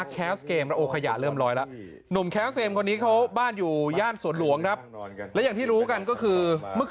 แต่โรงเจ็บเตียงไม่ได้